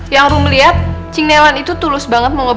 yang rum liat cing nelan itu tulus banget menghormatin sisulam